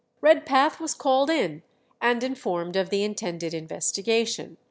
Redpath was called in and informed of the intended investigation.